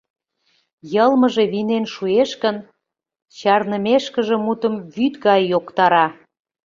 Йылмыже вийнен шуэш гын, чарнымешкыже мутым вӱд гай йоктара.